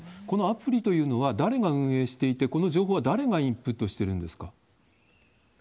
このアプリというのは、誰が運営していて、この情報は誰がインプットしてるんですか？